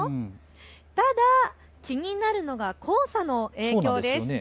ただ気になるのは黄砂の影響です。